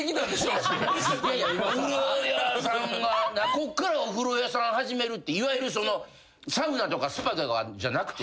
こっからお風呂屋さん始めるっていわゆるそのサウナとかスパとかじゃなくて。